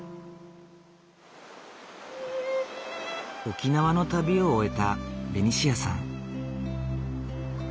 沖縄の旅を終えたベニシアさん。